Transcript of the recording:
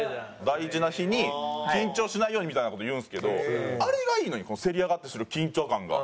「大事な日に緊張しないように」みたいな事言うんですけどあれがいいのに競り上がってする緊張感が。